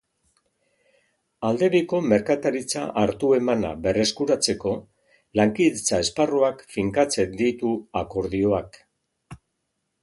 Aldebiko merkataritza hartu-emana berreskuratzeko lankidetza esparruak finkatzen ditu akordioak.